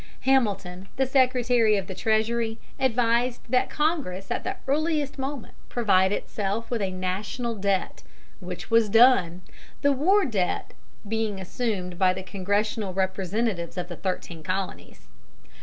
Hamilton, the Secretary of the Treasury, advised that Congress at the earliest moment provide itself with a national debt, which was done, the war debt being assumed by the Congressional representatives of the thirteen Colonies.